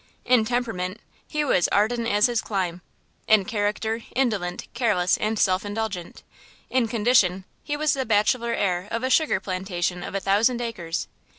In temperament he was ardent as his clime. In character, indolent, careless and self indulgent. In condition he was the bachelor heir of a sugar plantation of a thousand acres.